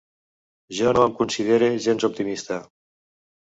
Jo no em considere gens optimista.